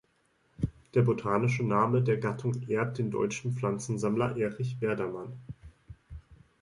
Der botanische Name der Gattung ehrt den deutschen Pflanzensammler Erich Werdermann.